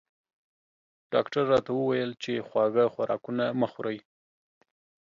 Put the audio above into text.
ډاکټر راته وویل چې خواږه خوراکونه مه خورئ